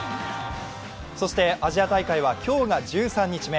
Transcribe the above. そしてアジア大会は今日が１３日目。